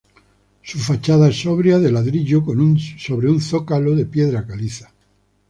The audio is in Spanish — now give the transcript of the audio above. Su fachada es sobria, de ladrillo sobre un zócalo de piedra caliza.